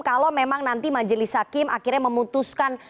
kalau memang nanti majelis hakim akhirnya memutuskan